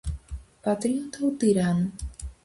Patriota ou tirano?